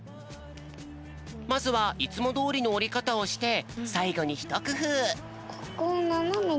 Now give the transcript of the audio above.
まずはいつもどおりのおりかたをしてさいごにひとくふう。